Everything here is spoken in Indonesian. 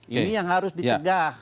ini yang harus ditegak